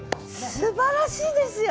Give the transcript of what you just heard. すばらしいですよあなた！